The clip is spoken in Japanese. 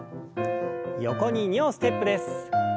横に２歩ステップです。